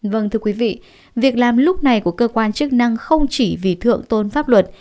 vâng thưa quý vị việc làm lúc này của cơ quan chức năng không chỉ vì thượng tôn pháp luật